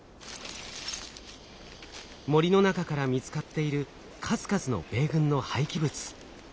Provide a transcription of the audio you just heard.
森の中から見つかっている数々の米軍の廃棄物。